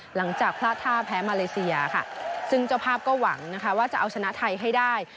หลังจากพลาดท่าแพ้มาเลเซียค่ะซึ่งเจ้าภาพก็หวังนะคะว่าจะเอาชนะไทยให้ได้